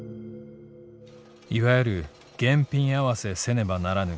「いわゆる現品合せせねばならぬ。